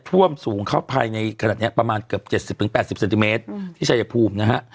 ท่วมสูงเข้าภายในขนาดนี้ประมาณเกือบ๗๐๘๐เซนติเมตรที่ชายภูมินะฮะ